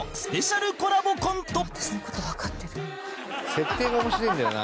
設定が面白えんだよな